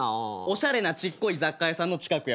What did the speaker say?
おしゃれなちっこい雑貨屋さんの近くやわ。